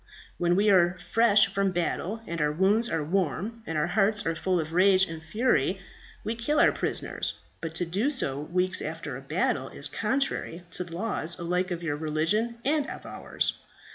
When we are fresh from battle, and our wounds are warm, and our hearts are full of rage and fury, we kill our prisoners; but to do so weeks after a battle is contrary to the laws alike of your religion and of ours.